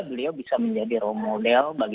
beliau bisa menjadi role model bagi